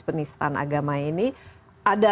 penistan agama ini ada